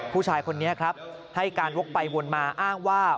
ผู้ชายคนนี้ครับให้การวกไปวนมาอ้างว่า